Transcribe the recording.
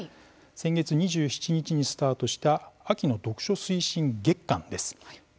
先月２７日にスタートした秋の読書推進月間です。